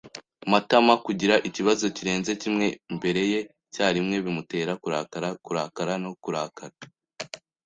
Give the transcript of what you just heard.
[Matama] Kugira ikibazo kirenze kimwe imbere ye icyarimwe bimutera kurakara, kurakara no kurakara.